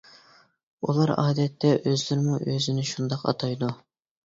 ئۇلار ئادەتتە ئۆزلىرىمۇ ئۆزىنى شۇنداق ئاتايدۇ.